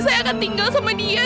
saya akan tinggal sama dia